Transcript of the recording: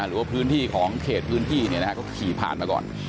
หรือว่าพื้นที่ของเขตพื้นที่เขาขี่ผ่านมาก่อน